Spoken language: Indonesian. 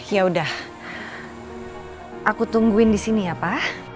ya udah aku tungguin disini ya pa